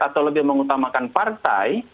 atau lebih mengutamakan partai